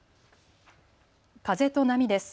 風と波です。